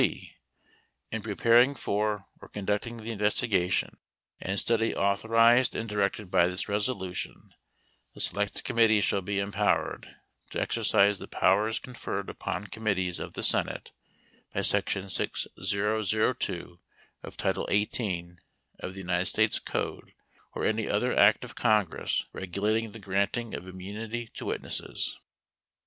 22 (c) In preparing for or conducting the investigation and 23 study authorized and directed by this resolution, the select 24 committee shall he empowered to exercise the powers con 25 ferred upon committees of the Senate by section 6002 of title 1243 13 1 18 of the United States Code or any other Act of Congress 2 regulating the granting of immunity to witnesses.